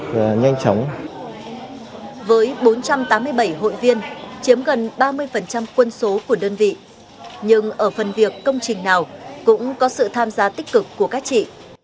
với bốn trăm tám mươi bảy hội viên chiếm gần ba mươi quân số của đơn vị nhưng ở phần việc công trình nào cũng có sự tham gia tích cực của các chị